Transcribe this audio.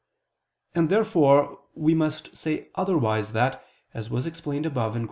And therefore we must say otherwise that, as was explained above (Q.